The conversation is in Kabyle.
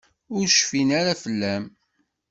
Ur cfin ara fell-am.